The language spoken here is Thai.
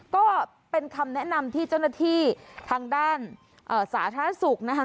ก็เป็นคำแนะนำที่เจ้าหน้าที่ทางด้านสาธารณสุขนะคะ